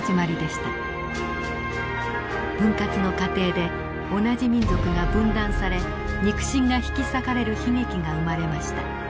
分割の過程で同じ民族が分断され肉親が引き裂かれる悲劇が生まれました。